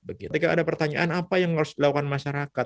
ketika ada pertanyaan apa yang harus dilakukan masyarakat